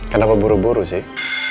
kenapa buru buru sih